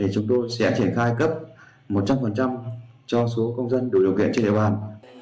chúng tôi sẽ triển khai cấp một trăm linh cho số công dân đủ điều kiện trên địa bàn